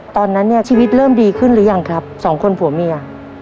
ตอนนั้นเนี่ยชีวิตเริ่มดีขึ้นหรือยังครับสองคนผัวเมีย